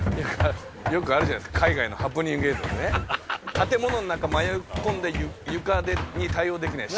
「建物の中迷い込んで床に対応できない鹿」